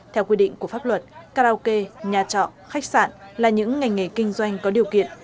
theo quy định của pháp luật karaoke nhà trọ khách sạn là những ngành nghề kinh doanh có điều kiện